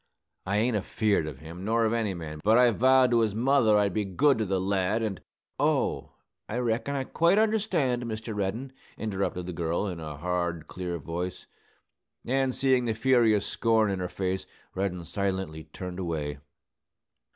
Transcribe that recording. I ain't afeard of him, nor of any man. But I vowed to his mother I'd be good to the lad, and " "Oh, I reckon I quite understand, Mr. Reddin," interrupted the girl, in a hard, clear voice; and, seeing the furious scorn in her face, Reddin silently turned away.